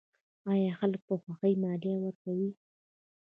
آیا خلک په خوښۍ مالیه ورکوي؟